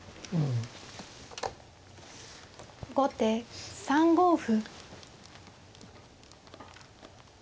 後手３五歩。